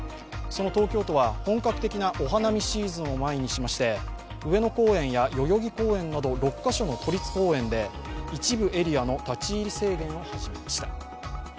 その東京都は本格的なお花見シーズンを前にしまして、上野公園や代々木公園など６カ所の都立公園で一部エリアの立ち入り制限を始めました。